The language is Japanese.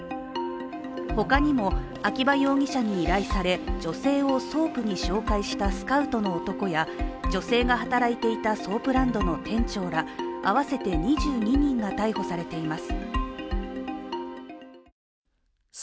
他にも秋葉容疑者に依頼され女性をソープに紹介したスカウトの男や女性が働いていたソープランドの店長ら合わせて２２人が逮捕されています。